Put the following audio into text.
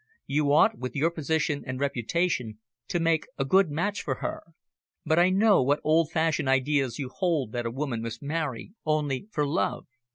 You ought, with your position and reputation, to make a good match for her. But I know what old fashioned ideas you hold that a woman must marry only for love."